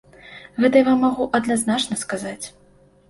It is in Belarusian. Гэта я вам магу адназначна сказаць.